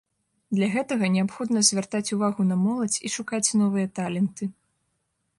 Для гэтага неабходна звяртаць увагу на моладзь і шукаць новыя таленты.